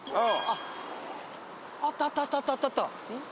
あったあったあったあった。